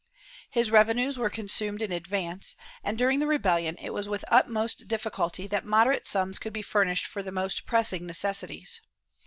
His revenues were consumed in advance, and during the rebellion it was with the utmost difficulty that moderate sums could be furnished for the most pressing necessities.